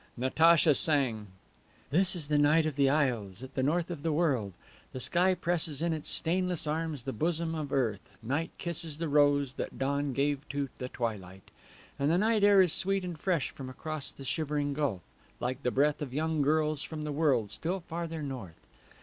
Natacha sang: "This is the night of the Isles at the north of the world. The sky presses in its stainless arms the bosom of earth, Night kisses the rose that dawn gave to the twilight. And the night air is sweet and fresh from across the shivering gulf, Like the breath of young girls from the world still farther north.